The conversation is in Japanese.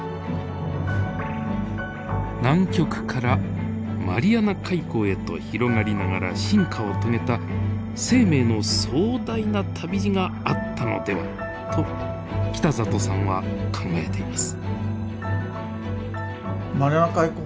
南極からマリアナ海溝へと広がりながら進化を遂げた生命の壮大な旅路があったのではと北里さんは考えています。